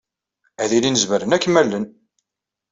Ad ilin zemren ad kem-allen.